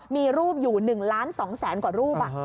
มีรูปอยู่๑ล้าน๒แสนกว่ารูป